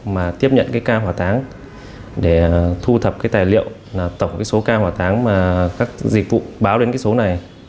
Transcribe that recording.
mà tiếp nhận cái ca hỏa táng để thu thập cái tài liệu là tổng cái số ca hỏa táng mà các dịch vụ báo đến cái số này